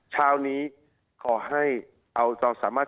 เช้านี้ขอให้เอาเราสามารถ